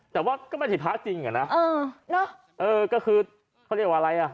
แต่ว่าก็ไม่ได้พระจริงอ่ะนะเออเนอะเออก็คือเขาเรียกว่าอะไรอ่ะ